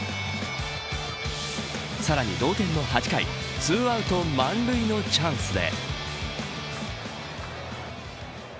さらに同点の８回２アウト満塁のチャンスで。